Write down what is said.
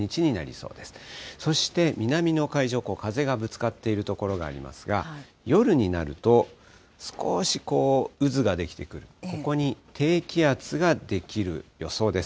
そして、南の海上、風がぶつかっている所がありますが、夜になると、少しこう、渦が出来てくる、ここに低気圧が出来る予想です。